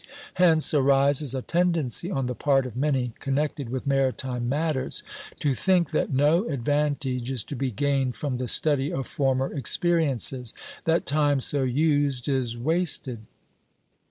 Hence arises a tendency on the part of many connected with maritime matters to think that no advantage is to be gained from the study of former experiences; that time so used is wasted.